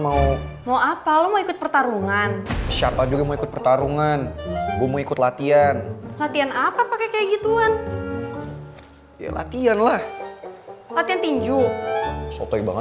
sampai jumpa di video selanjutnya